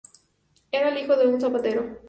Era el hijo de un zapatero.